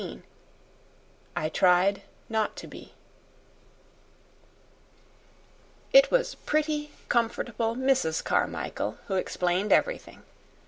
18 "I Tried Not to Be" It was pretty, comfortable Mrs. Carmichael who explained everything.